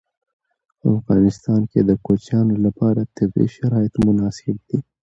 په افغانستان کې د کوچیانو لپاره طبیعي شرایط مناسب دي.